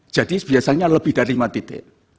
jadi biasanya lebih dari lima titik